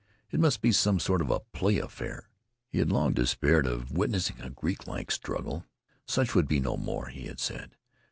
It must be some sort of a play affair. He had long despaired of witnessing a Greeklike struggle. Such would be no more, he had said.